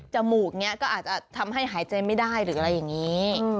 มูกนี้ก็อาจจะทำให้หายใจไม่ได้หรืออะไรอย่างนี้